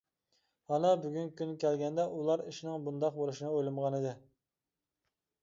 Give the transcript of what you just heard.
ھالا بۈگۈنكى كۈنگە كەلگەندە ئۇلار ئىشنىڭ بۇنداق بولۇشىنى ئويلىمىغانىدى.